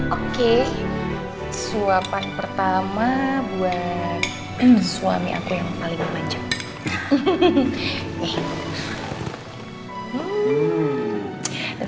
oke suapan pertama buat suami aku yang paling rentan